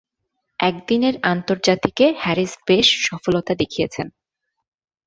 একদিনের আন্তর্জাতিকে হ্যারিস বেশ সফলতা দেখিয়েছেন।